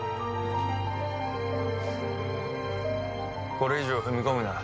これ以上踏み込むな。